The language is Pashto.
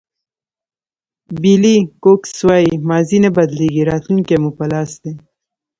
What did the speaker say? بېلي کوکس وایي ماضي نه بدلېږي راتلونکی مو په لاس دی.